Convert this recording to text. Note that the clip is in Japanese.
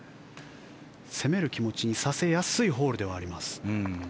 攻める気持ちにさせやすいホールではあります。